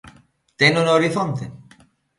Teno no horizonte?